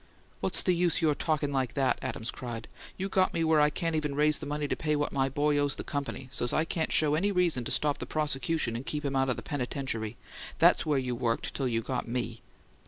"What's the use your talking like that?" Adams cried. "You got me where I can't even raise the money to pay what my boy owes the company, so't I can't show any reason to stop the prosecution and keep him out the penitentiary. That's where you worked till you got ME!"